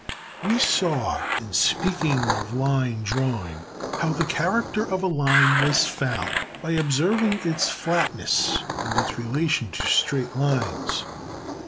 We saw, in speaking of line drawing, how the character of a line was found by observing its flatnesses and its relation to straight lines.